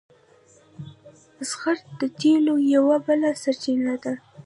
زغر د تیلو یوه بله سرچینه ده.